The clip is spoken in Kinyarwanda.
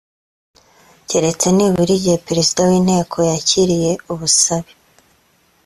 keretse nibura igihe Perezida w’Inteko yakiriye ubusabe